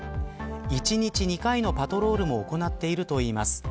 １日２回のパトロールも行っているといいます。